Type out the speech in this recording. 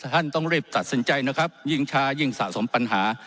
ท่านต้องรีบตัดสินใจนะครับยิ่งช้ายิ่งสะสมปัญหา